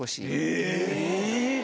え！